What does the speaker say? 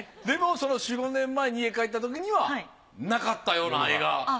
でもその４５年前に家に帰ったときにはなかったような絵が？